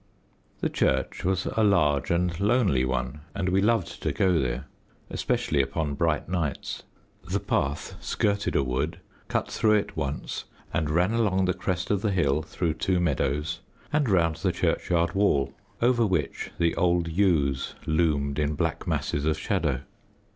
The church was a large and lonely one, and we loved to go there, especially upon bright nights. The path skirted a wood, cut through it once, and ran along the crest of the hill through two meadows, and round the churchyard wall, over which the old yews loomed in black masses of shadow.